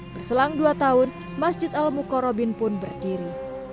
berselang dua tahun masjid al mukhorobin pun berdiri